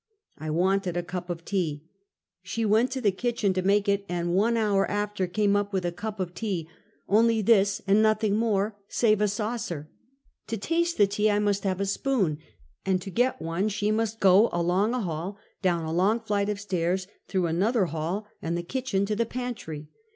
I wanted a cup of tea. She went to the kitchen to 358 Half a CENTrRY. make it, and one honr after came np with a cup of tea, only this and nothing more, save a saucer. To taste the tea 1 must have a spoon, and to get one she must go along a hall, down a long flight of stairs, through another hall and the kitchen, to the pantry.